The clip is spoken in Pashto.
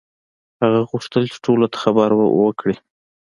هغه غوښتل چې ټولو ته خبر وکړي.